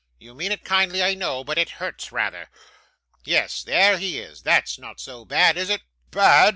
You mean it kindly, I know, but it hurts rather. Yes, there he is. That's not so bad, is it?' 'Ba'ad!